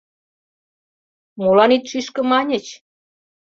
Молан ит шӱшкӧ, маньыч?